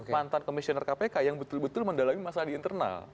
mantan komisioner kpk yang betul betul mendalami masalah di internal